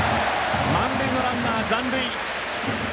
満塁のランナー残塁。